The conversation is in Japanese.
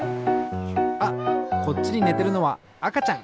あっこっちにねてるのはあかちゃん！